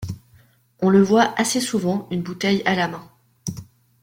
On le voit assez souvent une bouteille à la main.